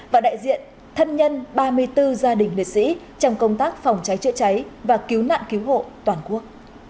và đại diện thân nhân ba mươi bốn gia đình liệt sĩ trong công tác phòng cháy chữa cháy và cứu nạn cứu hộ toàn quốc